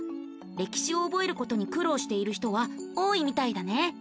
歴史を覚えることに苦労している人は多いみたいだね。